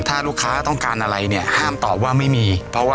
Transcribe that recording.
ถ้าลูกค้าต้องการอะไรเนี่ยห้ามตอบว่าไม่มีเพราะว่า